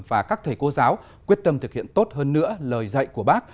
và các thầy cô giáo quyết tâm thực hiện tốt hơn nữa lời dạy của bác